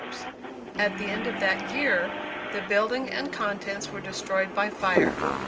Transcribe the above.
At the end of that year, the building and contents were destroyed by fire.